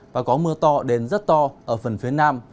và có mưa to đến rất to ở phần phía nam